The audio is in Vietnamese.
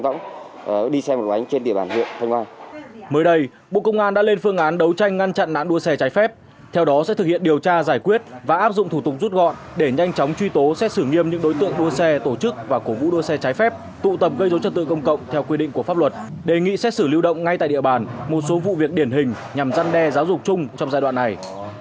bộ tài chính đang ngăn chặn nạn đua xe trái phép theo đó sẽ thực hiện điều tra giải quyết và áp dụng thủ tục rút gọn để nhanh chóng truy tố xét xử nghiêm những đối tượng đua xe tổ chức và cổ vũ đua xe trái phép tụ tập gây dấu trật tự công cộng theo quy định của pháp luật đề nghị xét xử lưu động ngay tại địa bàn một số vụ việc điển hình nhằm răn đe giáo dục chung trong giai đoạn này